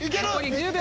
１０秒！